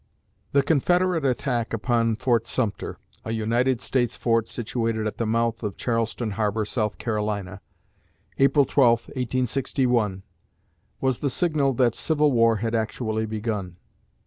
The Confederate attack upon Fort Sumter a United States fort situated at the mouth of Charleston Harbor, South Carolina April 12, 1861, was the signal that civil war had actually begun.